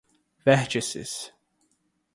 vértices